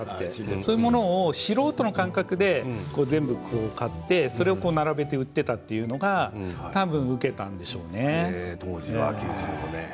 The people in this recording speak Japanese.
そういうものを素人の感覚で全部買ってそれを並べて売っていたというのが当時は９５年。